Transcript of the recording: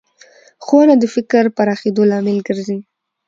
ښوونه د فکر پراخېدو لامل ګرځي